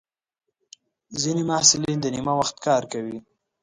ځینې محصلین د نیمه وخت کار کوي.